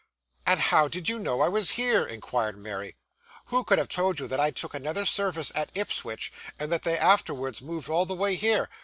'And how did you know I was here?' inquired Mary. 'Who could have told you that I took another service at Ipswich, and that they afterwards moved all the way here?